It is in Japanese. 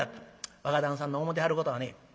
「若旦さんの思てはることはね